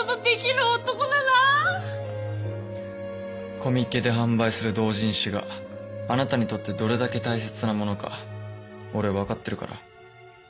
コミケで販売する同人誌があなたにとってどれだけ大切なものか俺分かってるから。